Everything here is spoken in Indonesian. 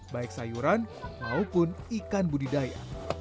baik sayuran maupun ikan budidaya